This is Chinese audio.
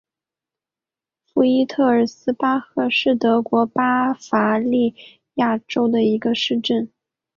博伊特尔斯巴赫是德国巴伐利亚州的一个市镇。